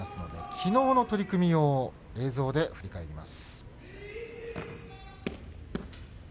きのうの取組を映像で振り返ります。